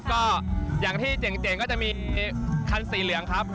ก็อย่างที่เจ๋งก็จะมีคันสีเหลืองครับ